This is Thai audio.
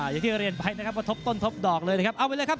อย่างที่เรียนไปนะครับว่าทบต้นทบดอกเลยนะครับเอาไปเลยครับ